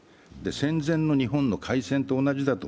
戦前の日本の開戦と同じだと。